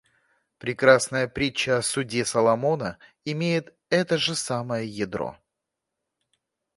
Прекрасная притча о суде Соломона имеет это же самое ядро.